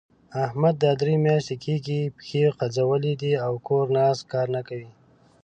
احمد دا درې مياشتې کېږي؛ پښې غځولې دي او کور ناست؛ کار نه کوي.